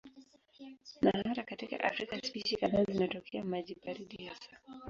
Na hata katika Afrika spishi kadhaa zinatokea maji baridi hasa.